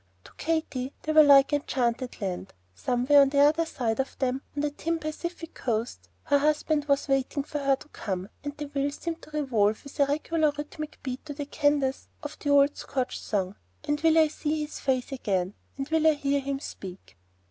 To Katy they were like enchanted land. Somewhere on the other side of them, on the dim Pacific coast, her husband was waiting for her to come, and the wheels seemed to revolve with a regular rhythmic beat to the cadence of the old Scotch song, "And will I see his face again; And will I hear him speak?"